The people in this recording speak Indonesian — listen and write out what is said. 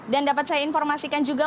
dan dapat saya informasikan juga